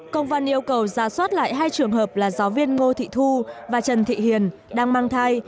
công văn yêu cầu ra soát lại hai trường hợp là giáo viên ngô thị thu và trần thị hiền đang mang thai